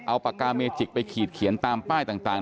เอาปากกาเมจิกไปขีดเขียนตามป้ายต่าง